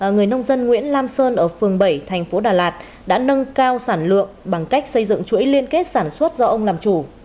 người nông dân nguyễn lam sơn ở phường bảy thành phố đà lạt đã nâng cao sản lượng bằng cách xây dựng chuỗi liên kết sản xuất do ông làm chủ